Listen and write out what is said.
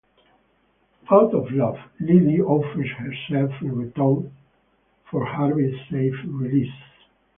Out of love, Lily offers herself in return for Harvey's safe release.